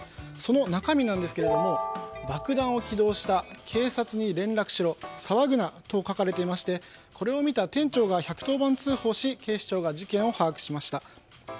その中身なんですが爆弾を起動した警察に連絡しろ騒ぐなと書かれていましてこれを見た店長が１１０番通報し警視庁が事件を把握しました。